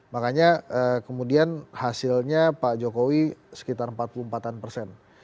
makanya kemudian hasilnya pak jokowi sekitar empat puluh empat an persen